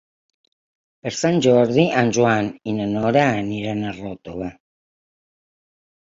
Per Sant Jordi en Joan i na Nora aniran a Ròtova.